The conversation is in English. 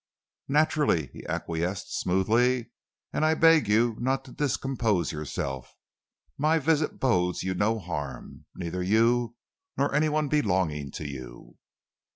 "Naturally," he acquiesced smoothly, "and I beg you not to discompose yourself. My visit bodes you no harm neither you nor any one belonging to you."